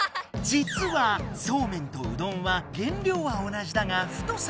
じつはそうめんとうどんは原りょうは同じだが太さがちがう。